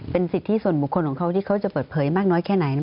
เป็นสิทธิส่วนบุคคลของเขาที่เขาจะเปิดเผยมากน้อยแค่ไหน